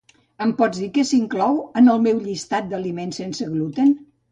Em pots dir què s'inclou en el meu llistat d'aliments sense gluten?